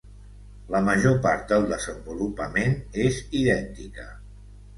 La major part del desenvolupament és idèntica.